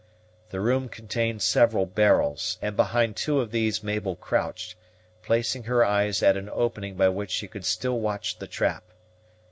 The room contained several barrels; and behind two of these Mabel crouched, placing her eyes at an opening by which she could still watch the trap.